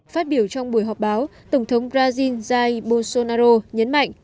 phát biểu trong buổi họp báo tổng thống brazil zai bolsonaro nhấn mạnh